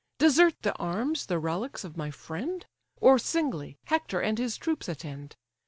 Desert the arms, the relics, of my friend? Or singly, Hector and his troops attend?